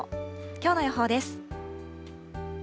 きょうの予報です。